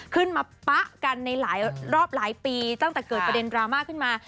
ปะกันในหลายรอบหลายปีตั้งแต่เกิดประเด็นดราม่าขึ้นมา